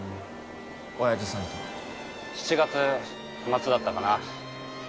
親父さんと７月末だったかな